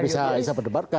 bisa bisa diperdebarkan